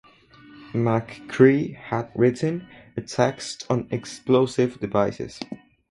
McCree had written a text on explosive devices.